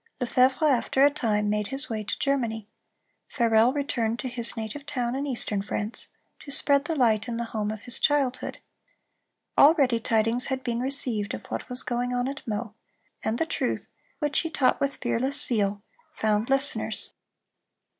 Lefevre after a time made his way to Germany. Farel returned to his native town in eastern France, to spread the light in the home of his childhood. Already tidings had been received of what was going on at Meaux, and the truth, which he taught with fearless zeal, found listeners.